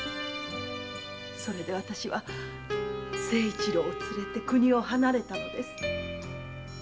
それで私は清一郎を連れて故郷を離れたのです。